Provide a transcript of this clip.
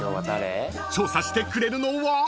［調査してくれるのは？］